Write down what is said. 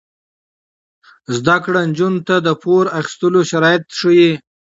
زده کړه نجونو ته د پور اخیستلو شرایط ښيي.